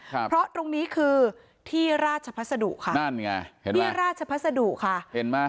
ครับเพราะตรงนี้คือที่ราชพัสดุค่ะนั่นไงเห็นไหมที่ราชพัสดุค่ะเห็นไหม